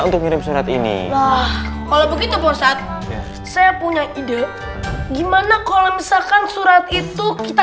untuk ngirim surat ini kalau begitu bosan saya punya ide gimana kalau misalkan surat itu kita